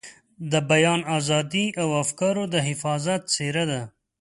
د بیان د ازادۍ او افکارو د حفاظت څېره ده.